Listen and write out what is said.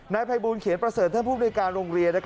ภัยบูลเขียนประเสริฐท่านผู้บริการโรงเรียน